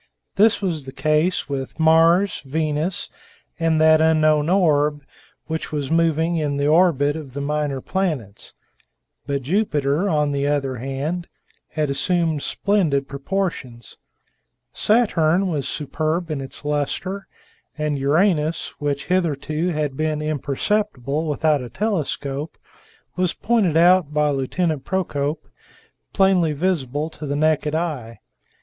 This was the case with Mars, Venus, and that unknown orb which was moving in the orbit of the minor planets; but Jupiter, on the other hand, had assumed splendid proportions; Saturn was superb in its luster, and Uranus, which hitherto had been imperceptible without a telescope was pointed out by Lieutenant Procope, plainly visible to the naked eye.